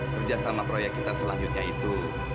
kerja sama proyek kita selanjutnya itu